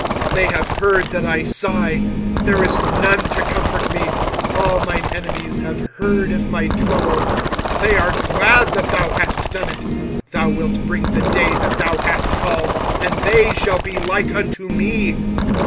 25:001:021 They have heard that I sigh: there is none to comfort me: all mine enemies have heard of my trouble; they are glad that thou hast done it: thou wilt bring the day that thou hast called, and they shall be like unto me.